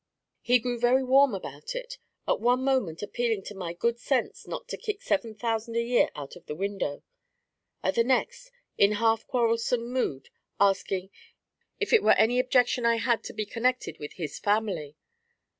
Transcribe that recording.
He grew very warm about it; at one moment appealing to my 'good sense, not to kick seven thousand a year out of the window;' at the next, in half quarrelsome mood, asking 'if it were any objection I had to be connected with his family.'